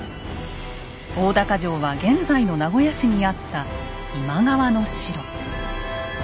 大高城は現在の名古屋市にあった今川の城。